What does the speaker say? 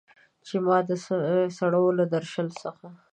چې ما د سړو له درشل څخه